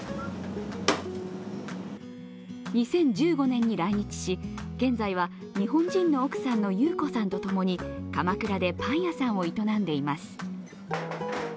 ２０１５年に来日し、現在は日本人の奥さんの優子さんと共に鎌倉でパン屋さんを営んでいます。